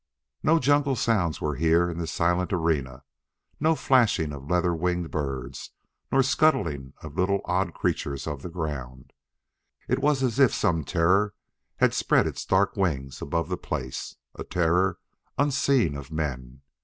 '" No jungle sounds were here in this silent arena, no flashing of leather winged birds nor scuttling of little, odd creatures of the ground. It was as if some terror had spread its dark wings above the place, a terror unseen of men.